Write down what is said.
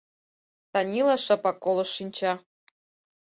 Танила шыпак колышт шинча.